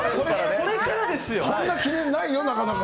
こんな記念ないよ、なかなか。